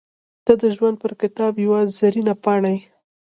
• ته د ژوند پر کتاب یوه زرینه پاڼه یې.